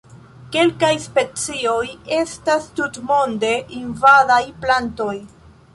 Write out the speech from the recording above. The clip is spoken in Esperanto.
Kelkaj specioj estas tutmonde invadaj plantoj.